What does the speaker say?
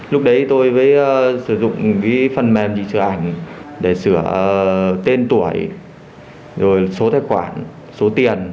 lúc đấy tôi sử dụng phần mềm chỉ sửa ảnh để sửa tên tuổi số tài khoản số tiền